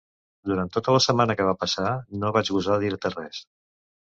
Durant tota la setmana que va passar, no vaig gosar dir-te res.